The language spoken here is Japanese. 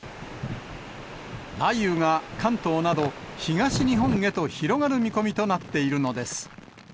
雷雨が関東など東日本へと広がる見込みとなっているのです。